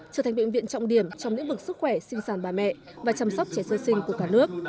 trở thành bệnh viện trọng điểm trong lĩnh vực sức khỏe sinh sản bà mẹ và chăm sóc trẻ sơ sinh của cả nước